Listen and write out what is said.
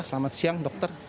selamat siang dokter